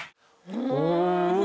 うん。